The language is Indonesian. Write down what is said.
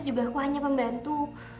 aku juga hanya pembantu